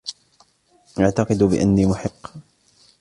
أعتقد بأني محق.